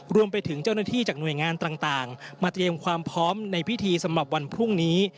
รวมไปถึงเจ้าหน้าที่จากหน่วยงานต่างมาเตรียมความพร้อมในพิธีสำหรับวันพรุ่งนี้